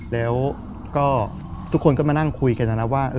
แล้วก็ทุกคนก็มานั่งคุยกันนะนะว่า